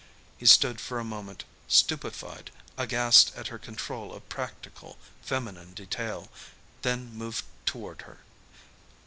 He stood for a moment stupefied, aghast at her control of practical, feminine detail; then moved toward her.